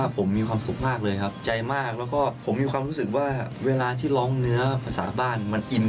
ผมเชื่อว่าทุกคนน่ะทุกคนรอที่อยากจะฟังพี่โตในแบบนี้